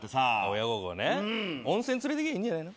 親孝行ね温泉連れてきゃいいんじゃないの？